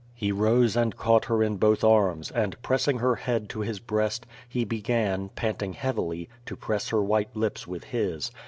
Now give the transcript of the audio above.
He rose and caught her in both arms, and, pressing her head to his breast, he began, panting heavily, to press her white lips with his.